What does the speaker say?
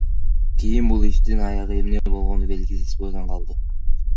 Кийин бул иштин аягы эмне болгону белгисиз бойдон калды.